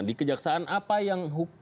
di kejaksaan apa yang